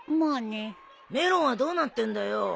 メロンはどうなってんだよ。